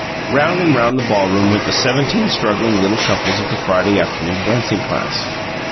Round and round the ballroom went the seventeen struggling little couples of the Friday Afternoon Dancing Class.